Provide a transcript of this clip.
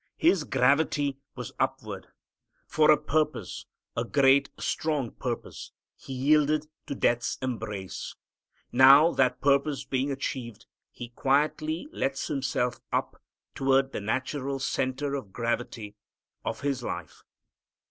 His gravity was upward. For a purpose, a great strong purpose, He yielded to death's embrace. Now that purpose being achieved, He quietly lets Himself up toward the natural center of gravity of His life.